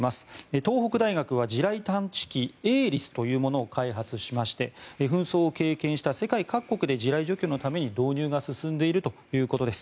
東北大学は地雷探知機ＡＬＩＳというものを開発しまして紛争を経験した世界各国で地雷除去のために導入が進んでいるということです。